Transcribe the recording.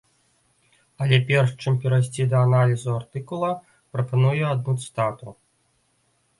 Але перш чым перайсці да аналізу артыкула, прапаную адну цытату.